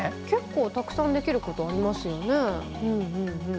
結構たくさんできることありますよね。